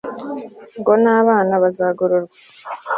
ngo n'abana bazagororwa